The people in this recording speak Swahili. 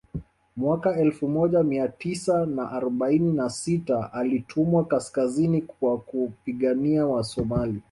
Mwaka elfu moja Mia tisa na arobaini na sita alitumwa kaskazini kwa kupigania Wasomalia